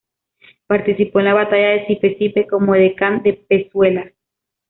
Participó en la Batalla de Sipe Sipe como edecán de Pezuela.